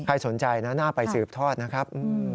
สนใจนะน่าไปสืบทอดนะครับ